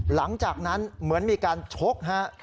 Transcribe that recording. หลังจากนั้นเหมือนมีการชกฮะ